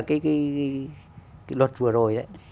cái luật vừa rồi